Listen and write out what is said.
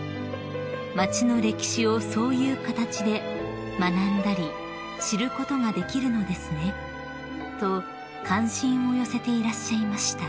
［「町の歴史をそういう形で学んだり知ることができるのですね」と関心を寄せていらっしゃいました］